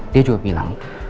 dia juga bilang